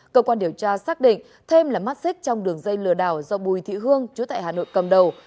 cơ quan điều tra xác định thêm là mắt xích trong đường dây lừa đảo do bùi thị hương chú tại hà nội cầm đầu